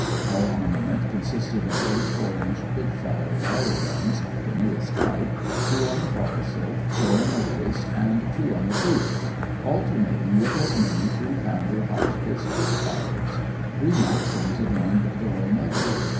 Our armament consisted of eight four inch quick fire wire guns, the newest type—two on the foc'sle, four in the waist, and two on the poop, alternating with as many three pounder Hotchkiss quick firers. Three Maxims adorned the low nettings.